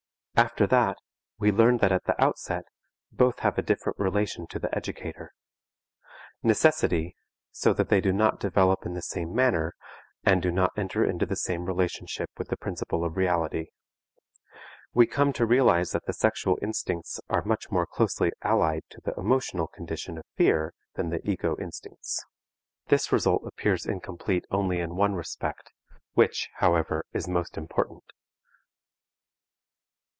After that we learned that at the outset both have a different relation to the educator, Necessity, so that they do not develop in the same manner and do not enter into the same relationship with the principle of reality. We come to realize that the sexual instincts are much more closely allied to the emotional condition of fear than the ego instincts. This result appears incomplete only in one respect, which, however, is most important.